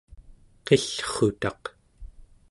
qillrutaq